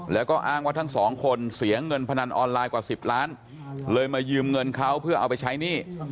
แล้วก็อ้างว่าทั้งสองคนเสียเงินพนันออนไลน์กว่า๑๐ล้านเลยมายืมเงินเขาเพื่อเอาไปใช้หนี้